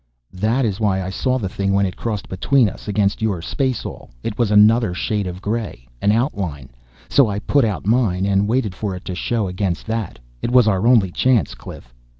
"That is why I saw the thing when it crossed between us. Against your spaceall it was another shade of gray an outline. So I put out mine and waited for it to show against that it was our only chance, Cliff.